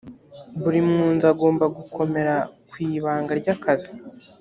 buri mwunzi agomba gukomera ku ibanga ry’ akazi